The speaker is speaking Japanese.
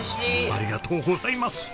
ありがとうございます。